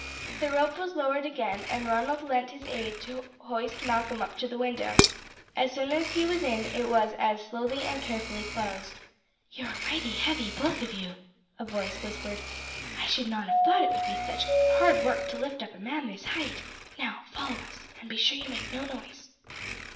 The rope was lowered again, and Ronald lent his aid to hoist Malcolm up to the window. As soon as he was in, it was as slowly and carefully closed. "You are mighty heavy, both of you," a voice whispered. "I should not have thought it would have been such hard work to lift a man up this height. Now, follow us, and be sure you make no noise."